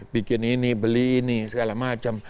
bikin ini beli ini segala macam